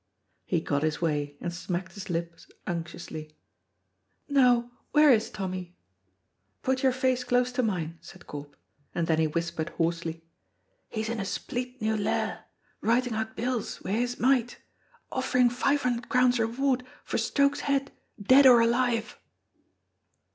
He got his way, and smacked his lips unctuously. "Now, where is Tommy?" "Put your face close to mine," said Corp, and then he whispered hoarsely, "He's in a spleet new Lair, writing out bills wi' a' his might, offering five hunder crowns reward for Stroke's head, dead or alive!"